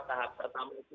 tahap pertama itu